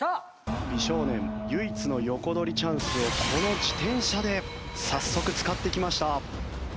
美少年唯一の横取りチャンスをこの自転車で早速使ってきました。